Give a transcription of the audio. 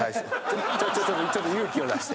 ちょっと勇気を出して。